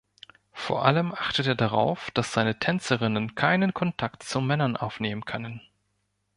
Vor allem achtet er darauf, dass seine Tänzerinnen keinen Kontakt zu Männern aufnehmen können.